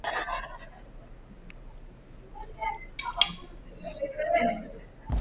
Baada ya kuhitimu alirudi Dar es Salaam na kujiunga na biashara za familia